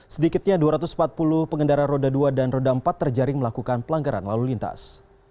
sedikitnya dua ratus empat puluh pengendara roda dua dan roda empat terjaring melakukan pelanggaran lalu lintas